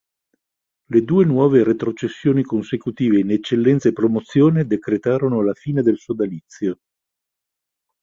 Le due nuove retrocessioni consecutive in Eccellenza e Promozione decretarono la fine del sodalizio.